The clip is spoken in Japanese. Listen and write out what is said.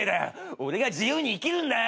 俺が自由に生きるんだよ！